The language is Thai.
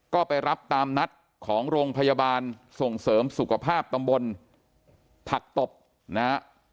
ก็ไปรับตามนัดของโรงพยาบาลส่งเสริมสุขภาพตำบลผักตบนะฮะ